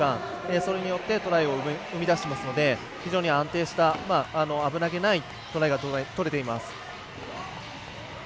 それによって、トライを生み出していますので非常に安定した危なげないトライが取れています。